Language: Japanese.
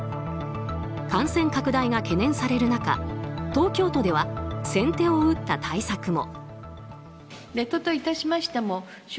感染拡大が懸念される中東京都では先手を打った対策も。